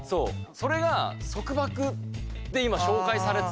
それが束縛って今紹介されてたから。